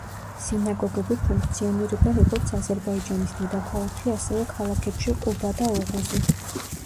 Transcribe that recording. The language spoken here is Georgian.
სინაგოგები ფუნქციონირებენ, როგორც აზერბაიჯანის დედაქალაქში, ასევე ქალაქებში ყუბა და ოღუზი.